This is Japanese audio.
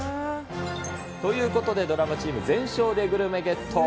ということで、ドラマチーム全勝でグルメゲット。